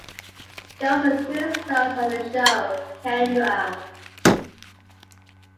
She also currently stars on her show, "Kendra".